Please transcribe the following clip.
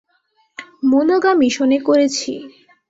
মুলোগা মিশনে করেছি।